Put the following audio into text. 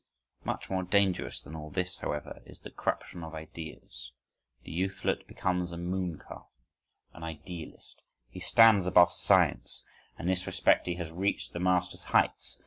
Much more dangerous than all this, however, is the corruption of ideas. The youthlet becomes a moon calf, an "idealist". He stands above science, and in this respect he has reached the master's heights.